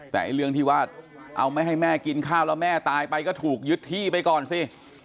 แต่เรื่องที่ว่าเอาไม่ให้แม่กินข้าวแล้วแม่ตายไปก็ถูกยึดที่ไปก่อนสิ